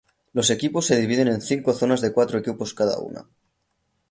Los equipos se dividen en cinco zonas de cuatro equipos cada una.